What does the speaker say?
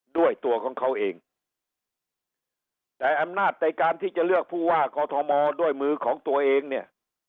ด้วยตัวของเขาเองแต่อำนาจในการที่จะเลือกผู้ว่ากอทมด้วยมือของตัวเองเนี่ย